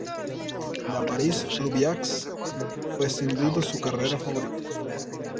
La París-Roubaix fue sin duda su carrera favorita.